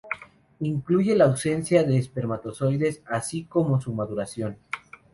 Incluye la ausencia de espermatozoides, así como su maduración.